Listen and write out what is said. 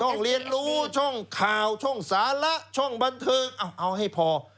เรียนรู้ช่องข่าวช่องสาระช่องบันเทิงเอาให้พอ